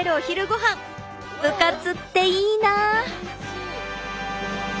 部活っていいな！